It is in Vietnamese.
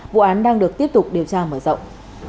vụ án đang được tiếp tục điều tra mở rộng